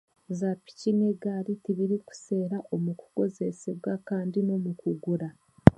Za piki n'egaari tibirikuseera omu kukoresibwa kandi n'omu kugura